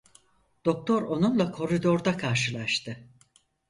Doktor onunla koridorda karşılaştı.